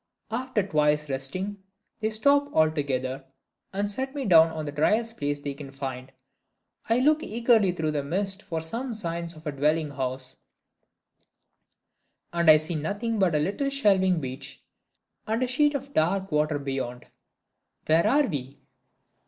After twice resting, they stop altogether, and set me down on the driest place they can find. I look eagerly through the mist for some signs of a dwelling house and I see nothing but a little shelving beach, and a sheet of dark water beyond. Where are we?